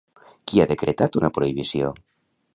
Qui ha decretat una prohibició?